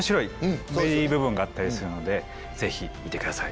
部分があったりするのでぜひ見てください。